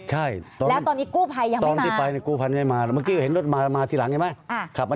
แล้วตอนนี้กู้ภัยยังไม่มา